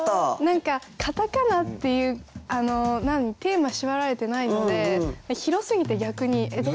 何かカタカナっていうテーマ縛られてないので広すぎて逆にどうしようって。